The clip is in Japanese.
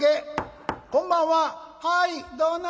「はいどなた？」。